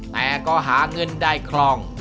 แต่ก็หาเงินได้ครอง